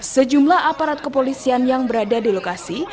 sejumlah aparat kepolisian yang berada di lokasi